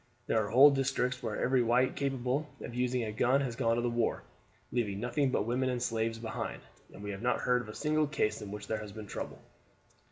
There are whole districts where every white capable of using a gun has gone to the war, leaving nothing but women and slaves behind, and we have not heard of a single case in which there has been trouble."